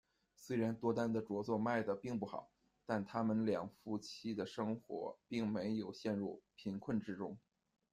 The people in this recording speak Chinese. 虽然多丹的着作卖得并不好，但他们两夫妻的生活并没有陷入贫困之中。